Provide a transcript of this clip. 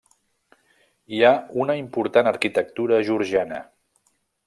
Hi ha una important arquitectura georgiana.